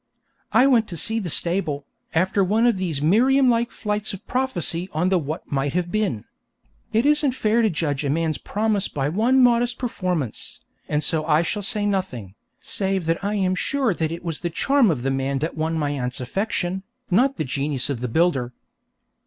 I went to see the stable, after one of these Miriam like flights of prophecy on the might have been. It isn't fair to judge a man's promise by one modest performance, and so I shall say nothing, save that I am sure it was the charm of the man that won my aunt's affection, not the genius of the builder.